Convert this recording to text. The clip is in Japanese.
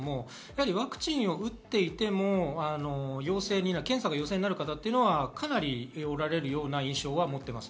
ワクチンを打っていても検査が陽性になる方がかなりおられるような印象です。